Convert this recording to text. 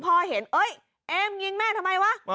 พอเห็นเอ้ยเอมยิงแม่ทำไมวะ